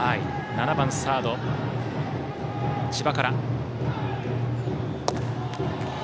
７番サード、千葉から。